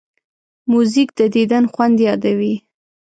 موزیک د دیدن خوند یادوي.